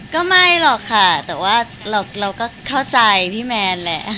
ก็ไม่หรอกค่ะแต่ว่าเราก็เข้าใจพี่แมนแหละ